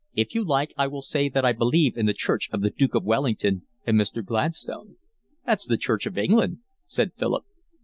If you like I will say that I believe in the church of the Duke of Wellington and Mr. Gladstone." "That's the Church of England," said Philip.